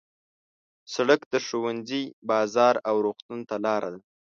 سړک د ښوونځي، بازار او روغتون ته لاره ده.